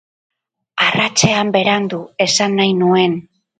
Arratsean berandu, esan nahi nuen.